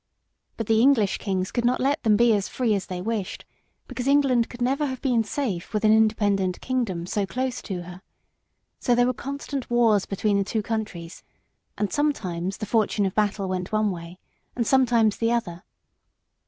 But the English kings could not let them be free as they wished, because England could never have been safe with an independent kingdom so close to her. So there were constant wars between the two countries, and sometimes the fortune of battle went one way and sometimes the other.